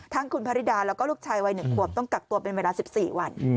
ทั้งคุณพระริดาแล้วก็ลูกชายวัย๑ขวบต้องกักตัวเป็นเวลา๑๔วัน